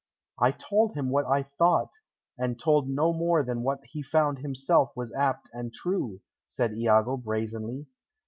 "I told him what I thought, and told no more than what he found himself was apt and true," said Iago, brazenly.